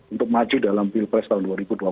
untuk maju dalam pilpres tahun dua ribu dua puluh empat